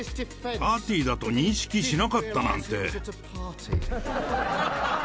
パーティーだと認識しなかったなんて。